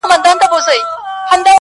• چي د تل لپاره -